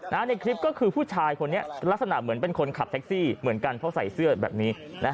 ในคลิปก็คือผู้ชายคนนี้ลักษณะเหมือนเป็นคนขับแท็กซี่เหมือนกันเพราะใส่เสื้อแบบนี้